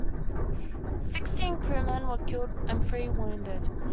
Sixteen crewmen were killed and three wounded.